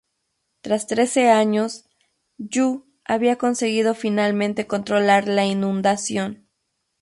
Tras trece años, Yu había conseguido finalmente controlar la inundación.